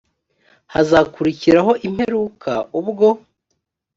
hazakurikiraho imperuka ubwo